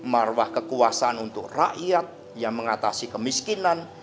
marwah kekuasaan untuk rakyat yang mengatasi kemiskinan